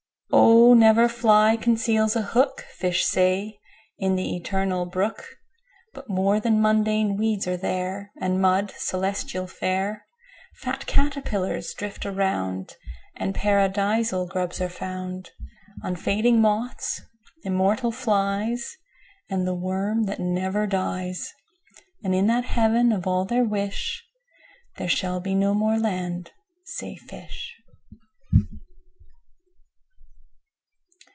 25Oh! never fly conceals a hook,26Fish say, in the Eternal Brook,27But more than mundane weeds are there,28And mud, celestially fair;29Fat caterpillars drift around,30And Paradisal grubs are found;31Unfading moths, immortal flies,32And the worm that never dies.33And in that Heaven of all their wish,34There shall be no more land, say fish.